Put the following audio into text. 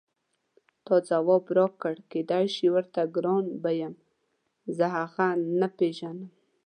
تا ځواب راکړ کېدای شي ورته ګران به یم زه هغه نه پېژنم.